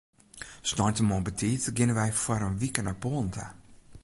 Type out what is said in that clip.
Sneintemoarn betiid geane wy foar in wike nei Poalen ta.